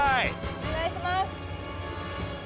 お願いします。